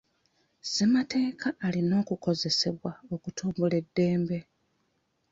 Ssemateeka alina okukozesebwa okutumbula eddembe.